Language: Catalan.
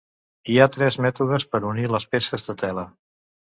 Hi ha tres mètodes per unir les peces de tela.